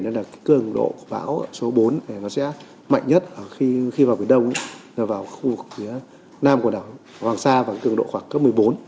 nên là cường độ bão số bốn sẽ mạnh nhất khi vào phía đông vào khu phía nam quần đảo hoàng sa và cường độ khoảng cấp một mươi bốn